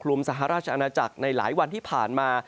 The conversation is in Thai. สหราชอาณาจักรในหลายวันที่ผ่านมา